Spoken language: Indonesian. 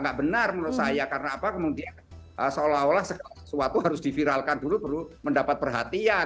nggak benar menurut saya karena apa kemudian seolah olah sesuatu harus diviralkan dulu baru mendapat perhatian